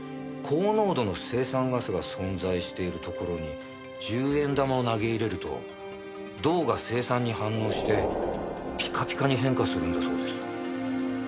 高濃度の青酸ガスが存在しているところに十円玉を投げ入れると銅が青酸に反応してピカピカに変化するんだそうです。